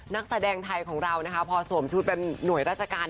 นักแสดงไทยของเรานะคะพอสวมชุดเป็นหน่วยราชการ